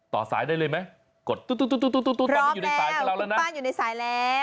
ต่อสายได้เลยไหมกดตั้งอยู่ในสายของเราแล้วนะ